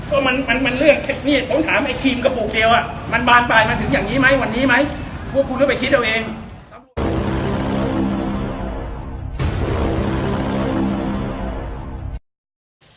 เอาตำแหน่งเก้าอี้ผู้จัดการตำรวจแห่งชาติมาเดิมพันกัน